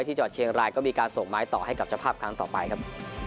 จังหวัดเชียงรายก็มีการส่งไม้ต่อให้กับเจ้าภาพครั้งต่อไปครับ